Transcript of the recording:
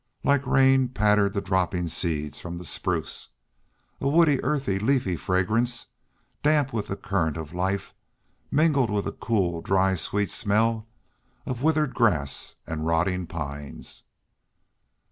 Like rain pattered the dropping seeds from the spruces. A woody, earthy, leafy fragrance, damp with the current of life, mingled with a cool, dry, sweet smell of withered grass and rotting pines.